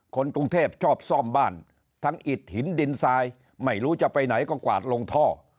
คนกรุงเทพชอบซ่อมบ้านทั้งอิดหินดินทรายไม่รู้จะไปไหนก็กวาดลงท่อ